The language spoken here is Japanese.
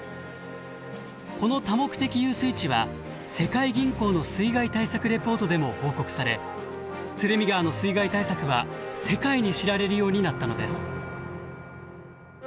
この多目的遊水地は世界銀行の水害対策レポートでも報告され鶴見川の水害対策は世界に知られるようになったのです。